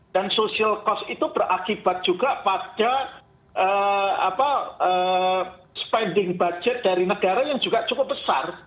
dan social cost itu berakibat juga pada spending budget dari negara yang juga cukup besar